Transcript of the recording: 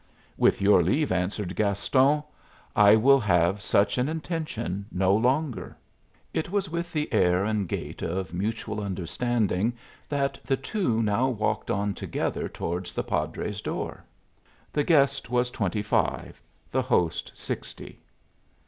"With your leave," answered Gaston, "I will have such an intention no longer." It was with the air and gait of mutual understanding that the two now walked on together towards the padre's door. The guest was twenty five, the host sixty.